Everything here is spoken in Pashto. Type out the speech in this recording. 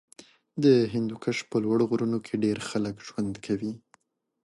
د هندوکش په لوړو غرونو کې ډېری خلک ژوند کوي.